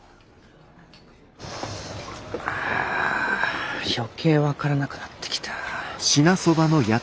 あ余計分からなくなってきた。